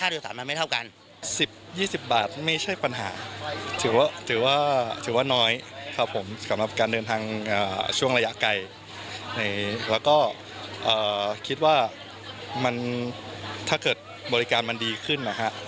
แล้วก็คิดว่าถ้าเกิดบริการมันดีขึ้น